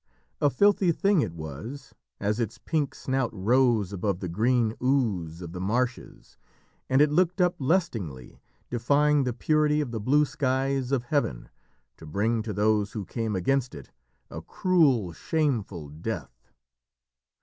A filthy thing it was, as its pink snout rose above the green ooze of the marshes, and it looked up lustingly, defying the purity of the blue skies of heaven, to bring to those who came against it a cruel, shameful death.